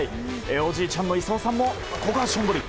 おじいちゃんの勲さんもここはしょんぼり。